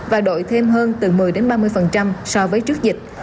và đổi thêm hơn từ một mươi ba mươi so với trước dịch